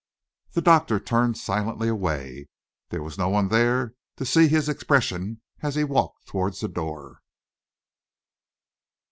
The doctor turned silently away. There was no one there to see his expression as he walked towards the door.